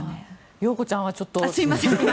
容子ちゃんはちょっと。